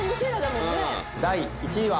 第１位は。